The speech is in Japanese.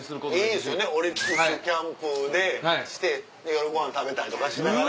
いいですよねオリックスキャンプでしてで夜ご飯食べたりとかしながら。